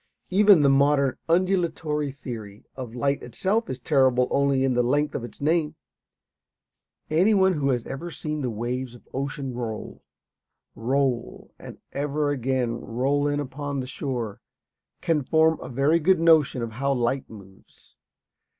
Even the modern "undulatory theory" of light itself is terrible only in the length of its name. Anyone who has seen the waves of ocean roll, roll, and ever again roll in upon the shore, can form a very good notion of how light moves.